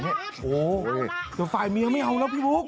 โหแต่ฟายเมียไม่เอาแล้วพี่ลูก